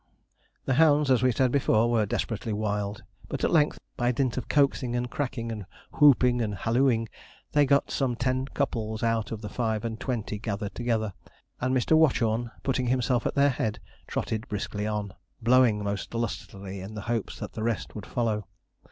The hounds, as we said before, were desperately wild; but at length, by dint of coaxing and cracking, and whooping and hallooing, they got some ten couples out of the five and twenty gathered together, and Mr. Watchorn, putting himself at their head, trotted briskly on, blowing most lustily, in the hopes that the rest would follow.